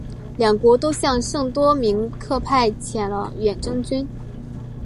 两国都向圣多明克派遣了远征军。